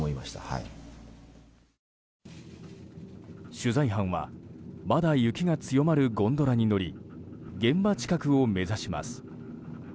取材班はまだ雪が強まるゴンドラに乗り現場近くを目指します。